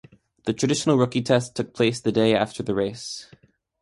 The traditional rookie test took place the day after the race.